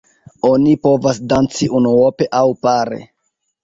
Oni povas danci unuope aŭ pare.